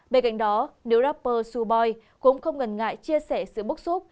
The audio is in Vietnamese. bên cạnh đó nếu rapper suboy cũng không ngần ngại chia sẻ sự bức xúc